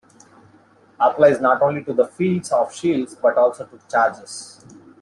Applies not only to the fields of shields but also to charges.